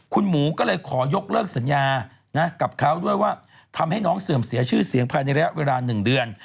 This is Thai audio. คุณหมูก็เลยขอยกเลิกสัญญานะกับเขาด้วยว่าทำให้น้องเสื่อมเสียชื่อเสียงภายในระยะเวลา๑เดือน